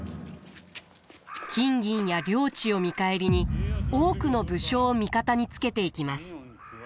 金銀や領地を見返りに多くの武将を味方につけていきます。